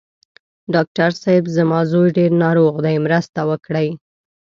ډاکټر صېب! زما زوی ډېر ناروغ دی، مرسته وکړئ.